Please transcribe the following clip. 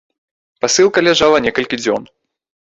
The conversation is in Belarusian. Пасылка ляжала некалькі дзён.